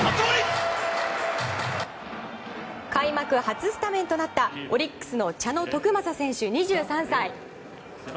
開幕初スタメンとなったオリックスの茶野篤政選手、２３歳。